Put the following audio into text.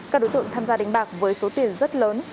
các đối tượng tham gia đánh bạc với số tiền rất lớn